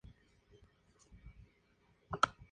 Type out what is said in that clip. Estos dos instrumentos operan en el infrarrojo cercano.